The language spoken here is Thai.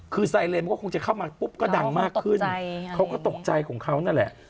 คือไซเรนมันก็คงจะเข้ามาปุ๊บก็ดังมากขึ้นเขาก็ตกใจของเขานั่นแหละ